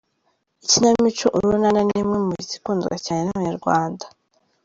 Ikinamico Urunana ni imwe mu zikundwa cyane n’abanyarwanda.